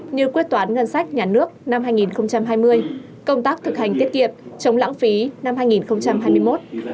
như quyết toán ngân sách nhà nước năm hai nghìn hai mươi công tác thực hành tiết kiệm chống lãng phí năm hai nghìn hai mươi một